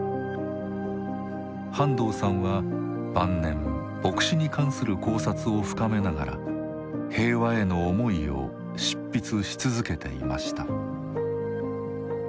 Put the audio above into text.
半藤さんは晩年墨子に関する考察を深めながら平和への思いを執筆し続けていました。